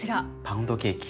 パウンドケーキ。